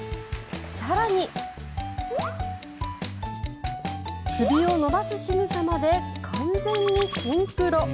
更に、首を伸ばすしぐさまで完全にシンクロ。